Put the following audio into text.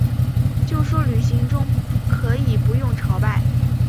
就说旅行中可以不用朝拜